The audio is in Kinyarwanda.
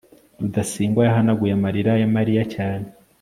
rudasingwa yahanaguye amarira ya mariya cyane